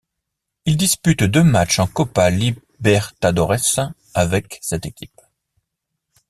Il dispute deux matchs en Copa Libertadores avec cette équipe.